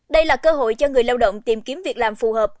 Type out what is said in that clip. đây là cơ hội cho người lao động tìm kiếm việc làm phù hợp